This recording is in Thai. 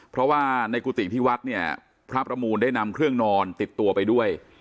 เพราะว่าในกุฏิที่วัดเนี่ยพระประมูลได้นำเครื่องนอนติดตัวไปด้วย